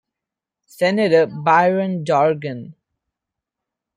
Senator Byron Dorgan.